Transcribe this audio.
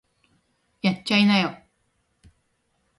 やっちゃいなよ